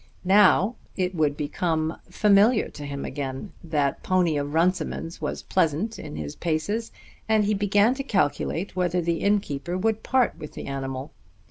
Now it would all become familiar to him again. That pony of Runciman's was pleasant in his paces, and he began to calculate whether the innkeeper would part with the animal.